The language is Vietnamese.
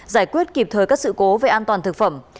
giải quyết kịp thời các sự cố về an toàn thực phẩm